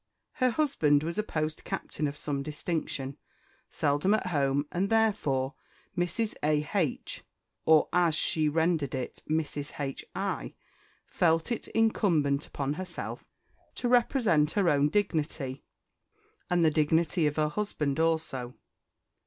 Her husband was a post captain of some distinction, seldom at home, and therefore Mrs. A. H. (or, as she rendered it, Mrs. H. I.) felt it incumbent upon herself to represent her own dignity, and the dignity of her husband also.